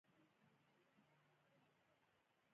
د پوهنتون ژوند د ځان نظارت غواړي.